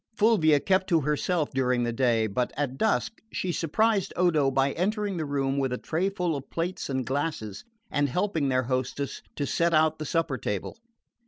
Fulvia kept to herself during the day; but at dusk she surprised Odo by entering the room with a trayful of plates and glasses, and helping their hostess to set out the supper table.